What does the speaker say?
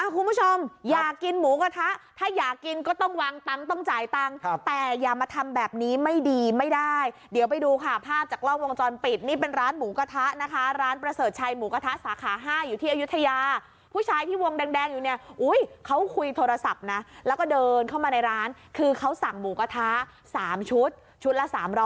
คุณผู้ชมอยากกินหมูกระทะถ้าอยากกินก็ต้องวางตังค์ต้องจ่ายตังค์แต่อย่ามาทำแบบนี้ไม่ดีไม่ได้เดี๋ยวไปดูค่ะภาพจากกล้องวงจรปิดนี่เป็นร้านหมูกระทะนะคะร้านประเสริฐชัยหมูกระทะสาขา๕อยู่ที่อายุทยาผู้ชายที่วงแดงอยู่เนี่ยเขาคุยโทรศัพท์นะแล้วก็เดินเข้ามาในร้านคือเขาสั่งหมูกระทะ๓ชุดชุดละ๓๐๐